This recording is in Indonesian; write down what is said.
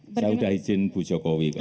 saya udah izin bu jokowi pak